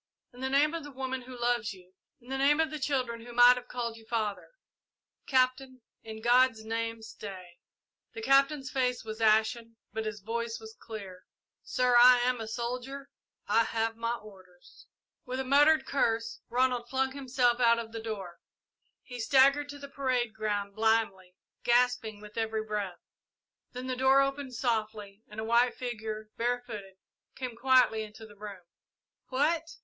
In the name of the woman who loves you in the name of the children who might have called you father Captain in God's name stay!" The Captain's face was ashen, but his voice was clear. "Sir, I am a soldier I have my orders!" With a muttered curse, Ronald flung himself out of the room. He staggered to the parade ground blindly, gasping with every breath. Then the door opened softly and a white figure, barefooted, came quietly into the room. "What!"